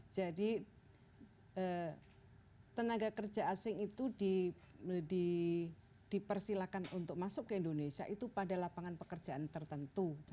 jadi tenaga kerja asing itu dipersilakan untuk masuk ke indonesia itu pada lapangan pekerjaan tertentu